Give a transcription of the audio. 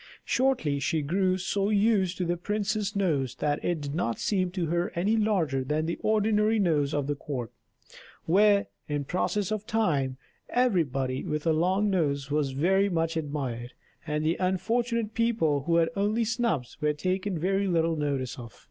Shortly she grew so used to the prince's nose that it did not seem to her any larger than ordinary noses of the court; where, in process of time, everybody with a long nose was very much admired, and the unfortunate people who had only snubs were taken very little notice of.